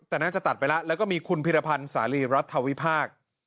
แต่น่าจะตัดไปแล้วแล้วก็มีคุณพิรพันธ์สาลีรัฐวิพากษ์